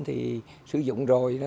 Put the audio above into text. thì sử dụng rồi